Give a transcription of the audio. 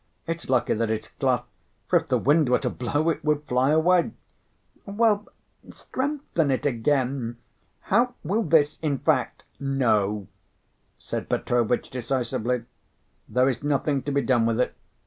It's lucky that it's cloth; for, if the wind were to blow, it would fly away." "Well, strengthen it again. How will this, in fact " "No," said Petrovitch decisively, "there is nothing to be done with it.